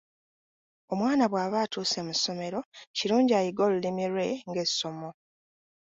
Omwana bw’aba atuuse mu ssomero kirungi ayige olulimi lwe ng’essomo.